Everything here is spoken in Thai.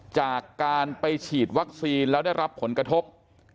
จากการไปฉีดวัคซีนแล้วได้รับผลกระทบก็คือเสียชีวิต